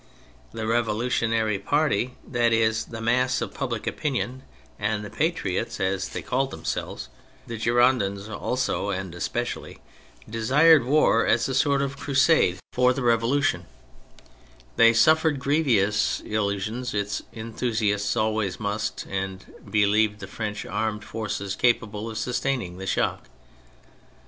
The revolutionary party, that is, the mass of public opinion and the " patriots," as they called themselves, the Girondins, also, and especially, desired war as a sort of crusade for THE PHASES 113 the Revolution; they suffered grievous illu sions, as enthusiasts always must, and believed the French armed forces capable of sustaining the shock.